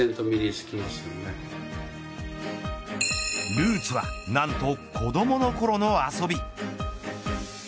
ルーツは何と子どものころの遊び。